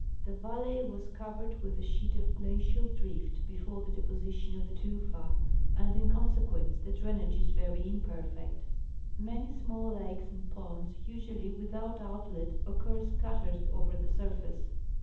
The valley was covered with a sheet of glacial drift before the deposition of the tufa, and in consequence the drainage is very imperfect. Many small lakes and ponds, usually without outlet, occur scattered over the surface.